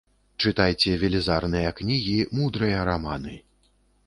Чытайце велізарныя кнігі, мудрыя раманы.